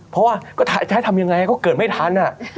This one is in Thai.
เพราะว่าก็จะให้ทำยังไงก็เกิดไม่ทัน